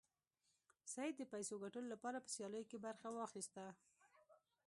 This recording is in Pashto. سید د پیسو ګټلو لپاره په سیالیو کې برخه واخیسته.